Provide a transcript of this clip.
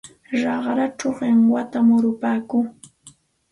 Raqrachaw kinwata murupaakuu.